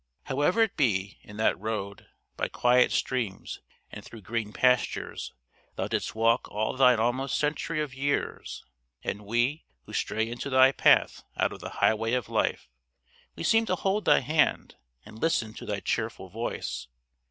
However it be, in that road, by quiet streams and through green pastures, thou didst walk all thine almost century of years, and we, who stray into thy path out of the highway of life, we seem to hold thy hand, and listen to thy cheerful voice.